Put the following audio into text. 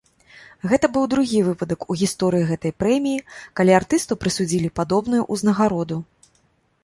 Гэта быў другі выпадак у гісторыі гэтай прэміі, калі артысту прысудзілі падобную ўзнагароду.